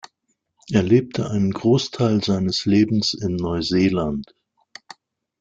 Er lebte einen Großteil seines Lebens in Neuseeland.